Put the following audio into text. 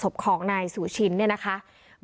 ประตู๓ครับ